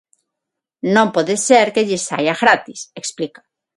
"Non pode ser que lles saia gratis", explica.